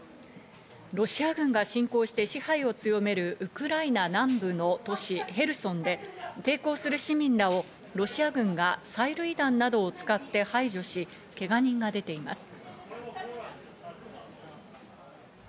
ロシア軍が侵攻して支配を強めるウクライナ南部の都市ヘルソンで、抵抗する市民らをロシア軍が催涙弾などを使って排除し、けが人が出ています。